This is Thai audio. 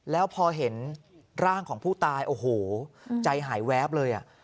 แล้วพอเห็นร่างของผู้ตายโอ้โหใจหายแวบเลย